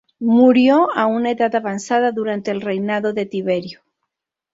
Murió a una edad avanzada durante el reinado de Tiberio.